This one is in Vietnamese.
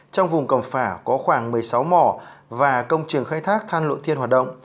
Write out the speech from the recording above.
trong vùng cẩm phả có khoảng một mươi sáu mỏ và công trường khai thác than lộ thiên hoạt động